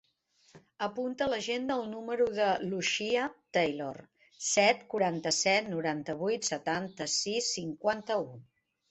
Apunta a l'agenda el número de l'Uxia Taylor: set, quaranta-set, noranta-vuit, setanta-sis, cinquanta-u.